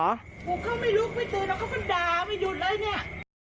พวกเขาไม่ลุกไม่ตื่นแล้วเขาก็ด่าไม่หยุดเลยเนี่ย